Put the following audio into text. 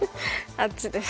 あっちです。